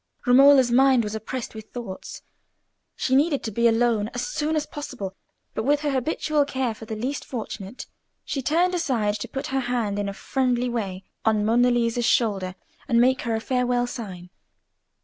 Romola's mind was oppressed with thoughts; she needed to be alone as soon as possible, but with her habitual care for the least fortunate, she turned aside to put her hand in a friendly way on Monna Lisa's shoulder and make her a farewell sign.